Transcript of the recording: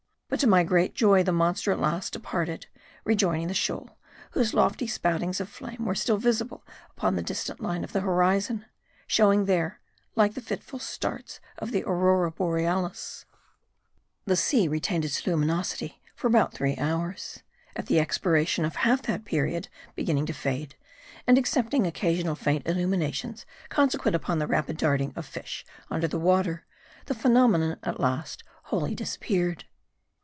But to my great joy the monster at last departed ; re joining the shoal, whose lofty spoutings of flame were still visible upon the distant line of the horizon ; showing there, like the fitful starts of the Aurora Borealis. 148 MARDI. The sea retained its luminosity for about three hours ; at the expiration of half that period beginning to fade ; and excepting occasional faint illuminations consequent upon the rapid darting of fish under water, the phenomenon at last wholly disappeared.